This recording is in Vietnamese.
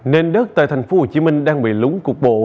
nền đất tại tp hcm đang bị lúng cục bộ